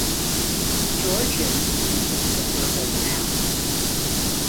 Georgian uses the verbal noun.